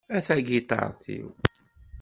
A tagiṭart-iw...